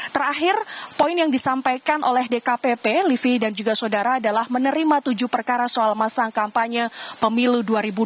terakhir poin yang disampaikan oleh dkpp livi dan juga saudara adalah menerima tujuh perkara soal masa kampanye pemilu dua ribu dua puluh